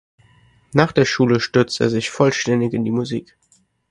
Nach der Schule stürzt er sich vollständig in die Musik.